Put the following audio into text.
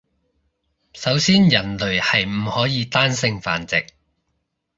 首先人類係唔可以單性繁殖